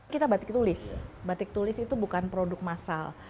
kita batik tulis batik tulis itu bukan produk masal